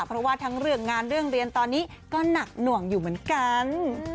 เพราะว่าทั้งเรื่องงานเรื่องเรียนตอนนี้ก็หนักหน่วงอยู่เหมือนกัน